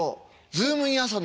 「ズームイン！！